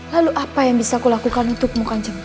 lalu apa yang bisa kulakukan untukmu kanci